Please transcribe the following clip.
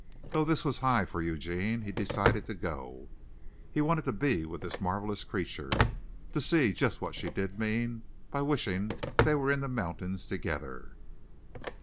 Though this was high for Eugene he decided to go. He wanted to be with this marvellous creature to see just what she did mean by wishing they were in the mountains together.